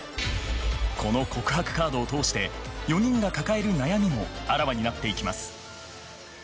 この告白カードを通して４人が抱える悩みもあらわになっていきます。